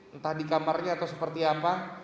entah di kamarnya atau seperti apa